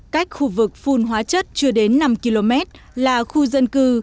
cách khu vực phun hóa chất chưa đến năm km là khu dân cư